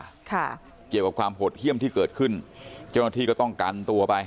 ค่ะเกี่ยวกับความโหดเยี่ยมที่เกิดขึ้นเจ้าหน้าที่ก็ต้องกันตัวไป